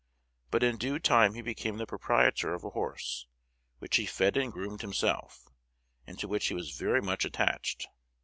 But in due time he became the proprietor of a horse, which he fed and groomed himself, and to which he was very much attached.